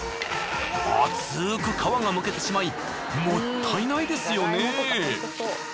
厚く皮がむけてしまいもったいないですよね。